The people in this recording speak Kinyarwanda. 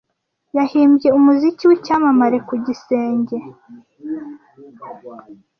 yahimbye umuziki w'icyamamare ku gisenge